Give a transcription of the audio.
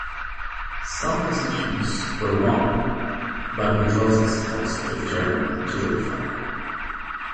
Some positions were won, but with losses caused by German artillery fire.